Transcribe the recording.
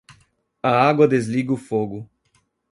A água desliga o fogo.